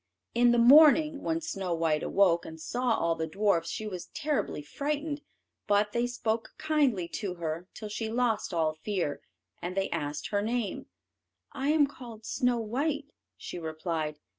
In the morning, when Snow white awoke, and saw all the dwarfs, she was terribly frightened. But they spoke kindly to her, till she lost all fear, and they asked her name. "I am called Snow white," she replied.